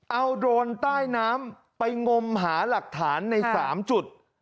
เอาโดรนใต้น้ำไปงมหาหลักฐานใน๓จุด